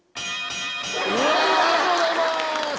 ありがとうございます！